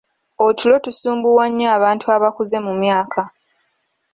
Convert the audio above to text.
Otulo tusumbuwa nnyo abantu abakuze mu myaka.